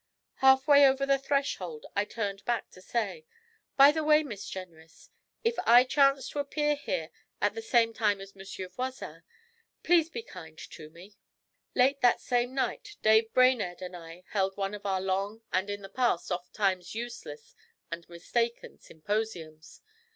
Half way over the threshold I turned back to say: 'By the way, Miss Jenrys, if I chance to appear here at the same time as Monsieur Voisin, please be kind to me.' Late that same night Dave Brainerd and I held one of our long, and, in the past, ofttimes useless and mistaken, symposiums.